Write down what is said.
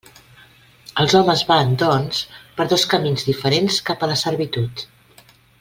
Els homes van, doncs, per dos camins diferents cap a la servitud.